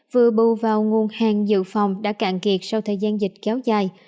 vừa bù vào nguồn hàng dự phòng đã cạn kiệt sau thời gian dịch kéo dài